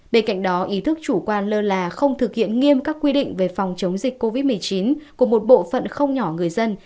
bên cạnh đó ý thức chủ quan lơ là không thực hiện nghiêm các quy định về phòng chống dịch covid một mươi chín của một bộ phận không nhỏ người dân